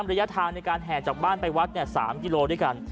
ระยะทางในการแห่จากบ้านไปวัด๓กิโลด้วยกัน